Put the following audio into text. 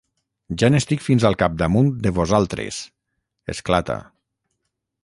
Ja n'estic fins al capdamunt, de vosaltres! —esclata.